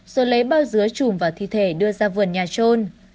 rồi lấy bao dứa chùm vào thi thể đưa ra vườn nhà trôn